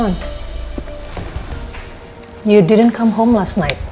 kamu tidak pulang malam tadi